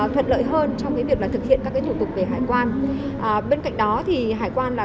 thuận lợi hơn trong cái việc là thực hiện các cái chủ tục về hải quan bên cạnh đó thì hải quan là